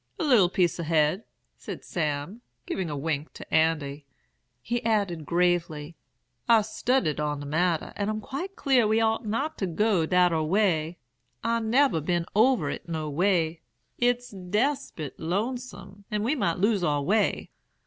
"'A little piece ahed,' said Sam, giving a wink to Andy. He added gravely, 'I've studded on de matter, and I'm quite clar we ought not to go dat ar way. I nebber been over it no way. It's despit lonesome, and we might lose our way.